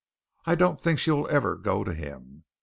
I don't think she will ever go to him.